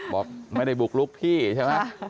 บอกไม่ได้บุกลุกที่ใช่ไหม